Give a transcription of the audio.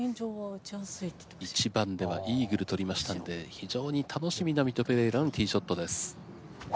１番ではイーグル取りましたんで非常に楽しみなミト・ペレイラのティーショットです。